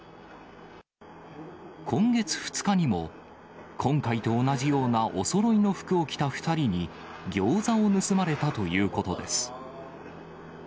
今月２日にも、今回と同じようなおそろいの服を着た２人に、ギョーザを盗まれたということです。